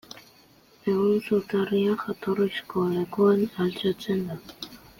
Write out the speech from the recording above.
Egun, zutarria jatorrizko lekuan altxatzen da.